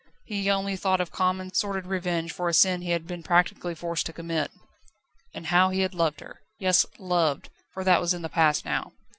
He only thought of common, sordid revenge for a sin he had been practically forced to commit. And how he had loved her! Yes, loved for that was in the past now.